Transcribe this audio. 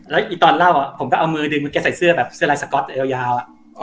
แล้วอีกตอนเล่าผมก็เอามือดึงแกใส่เสื้อแบบเสื้อลายสก๊อตยาว